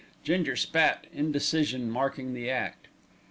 Ginger spat, indecision marking the act.